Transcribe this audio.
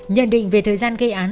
nhận định về thời gian gây án